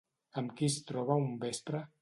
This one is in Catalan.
Amb qui es troba un vespre?